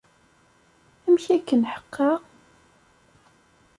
Amek akken ḥeqqa?